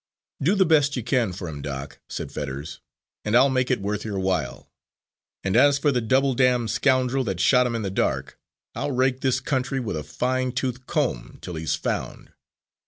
"Do the best you can for him, Doc," said Fetters, "and I'll make it worth your while. And as for the double damned scoundrel that shot him in the dark, I'll rake this county with a fine toothed comb till he's found.